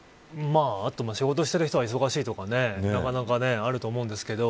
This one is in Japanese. あとは仕事してる人は忙しいとかなかなかあると思うんですけど。